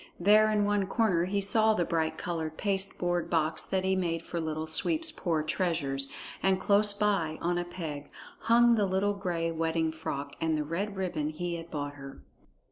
There in one corner he saw the bright colored pasteboard box that he had made for Little Sweep's poor treasures, and close by, on a peg, hung the little gray wedding frock and the red ribbon he had bought her.